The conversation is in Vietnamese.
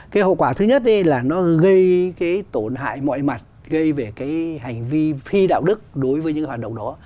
cái hậu quả thứ nhất là nó gây cái tổn hại mọi mặt gây về cái hành vi phi đạo đức đối với những hoạt động đó